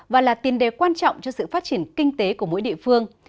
và là tiền đề quan trọng cho sự phát triển kinh tế của mỗi địa phương